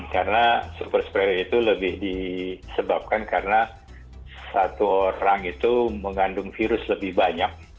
karena superspreader itu lebih disebabkan karena satu orang itu mengandung virus lebih banyak